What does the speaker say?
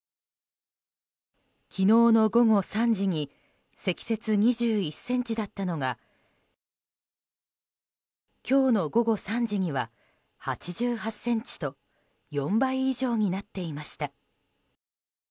昨日の午後３時に積雪２１ｃｍだったのが今日の午後３時には、８８ｃｍと４倍以上になっていました。